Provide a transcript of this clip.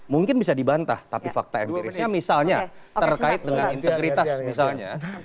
mungkin bisa dibantah tapi fakta empirisnya misalnya terkait dengan integritas misalnya